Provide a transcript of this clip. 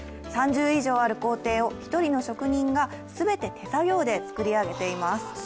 ３０以上ある工程を１人の職人が全て手作業で作り上げています。